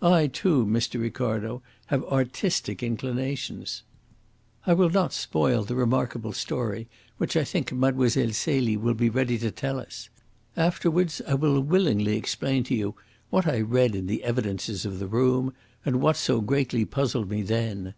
I, too, Mr. Ricardo, have artistic inclinations. I will not spoil the remarkable story which I think Mlle. Celie will be ready to tell us. Afterwards I will willingly explain to you what I read in the evidences of the room, and what so greatly puzzled me then.